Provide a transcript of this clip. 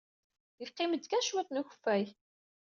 Yeqqim-d kan cwiṭ n ukeffay.